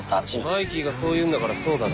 「マイキーがそう言うんだからそうだろ」